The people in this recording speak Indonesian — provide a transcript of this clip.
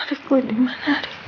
lu ada gue dimana